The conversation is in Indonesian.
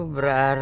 berani aku pergi